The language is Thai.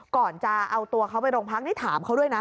ก่อนจะเอาตัวเขาไปโรงพักนี่ถามเขาด้วยนะ